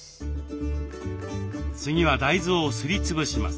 次は大豆をすり潰します。